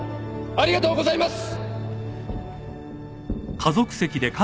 ありがとうございます！